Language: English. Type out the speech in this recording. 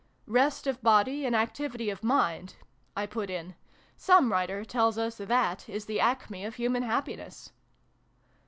" Rest of body, and activity of mind," I put in. " Some writer tells us that is the acme of human happiness."